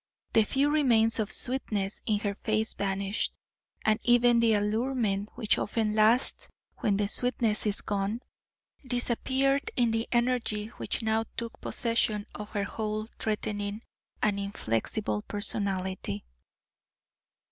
The few remains of sweetness in her face vanished, and even the allurement which often lasts when the sweetness is gone, disappeared in the energy which now took possession of her whole threatening and inflexible personality.